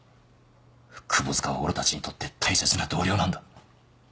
窪塚は俺たちにとって大切な同僚なんだ。